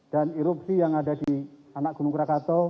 dan erupsi yang ada di anak gunung krakato